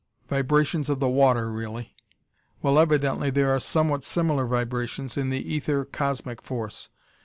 Vibrations of the water, really. Well, evidently there are somewhat similar vibrations in the ether, cosmic force.